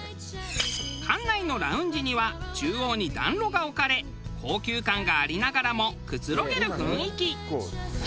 館内のラウンジには中央に暖炉が置かれ高級感がありながらもくつろげる雰囲気。